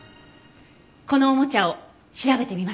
このおもちゃを調べてみましょう。